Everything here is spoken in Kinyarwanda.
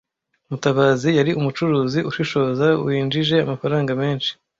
Mutabazi yari umucuruzi ushishoza winjije amafaranga menshi.